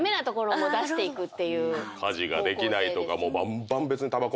家事ができないとかも。